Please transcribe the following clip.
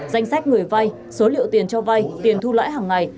danh sách người vay số liệu tiền cho vay tiền thu lãi hàng ngày